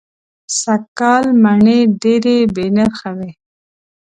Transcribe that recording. سږ کال مڼې دېرې بې نرخه وې.